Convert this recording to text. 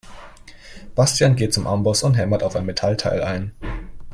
Bastian geht zum Amboss und hämmert auf ein Metallteil ein.